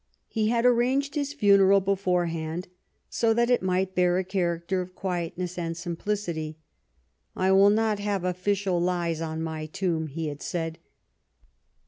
He had arranged his funeral beforehand, so that it might bear a character of quietness and simplicity. " I will not have official lies on my tomb," he had said.